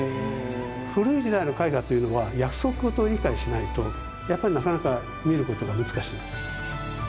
古い時代の絵画というのは約束事を理解しないとやっぱりなかなか見ることが難しい。